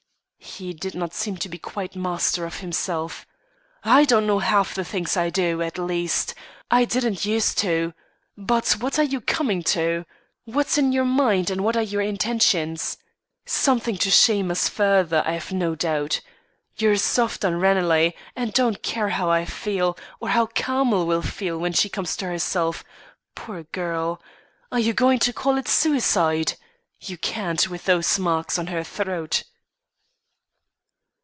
He did not seem to be quite master of himself. "I don't know half the things I do; at least, I didn't use to. But what are you coming to? What's in your mind, and what are your intentions? Something to shame us further, I've no doubt. You're soft on Ranelagh and don't care how I feel, or how Carmel will feel when she comes to herself poor girl. Are you going to call it suicide? You can't, with those marks on her throat."